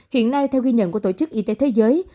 hiện nay theo ghi nhận của tổ chức y tế thế giới